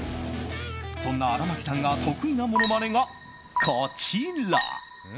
そんな荒牧さんが得意なものまねが、こちら。